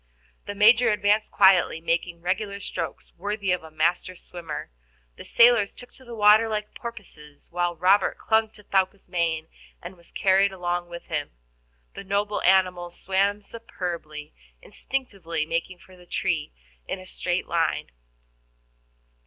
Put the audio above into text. The Major advanced quietly, making regular strokes, worthy of a master swimmer. The sailors took to the water like porpoises, while Robert clung to Thaouka's mane, and was carried along with him. The noble animal swam superbly, instinctively making for the tree in a straight line.